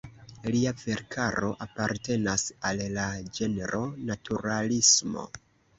Lia verkaro apartenas al la ĝenro naturalismo.